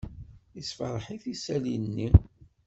Yessfṛeḥ-it isali-nni.